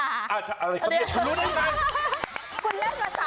อ่ะอะไรคำนี้คุณรู้ไหมค่ะ